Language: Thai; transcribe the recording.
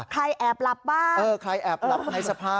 แอบหลับบ้างเออใครแอบหลับในสภา